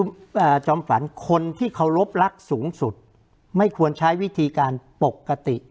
คุณจอมฝันคนที่เคารพรักสูงสุดไม่ควรใช้วิธีการปกติ